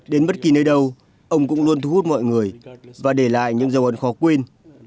đến bất kỳ nơi đâu ông cũng luôn thu hút mọi người và để lại những dấu ấn khó quên